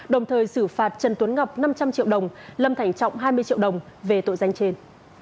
đồng thời xử phạt trần tuấn ngọc năm trăm linh triệu đồng lâm thành trọng hai mươi triệu đồng về tội danh trên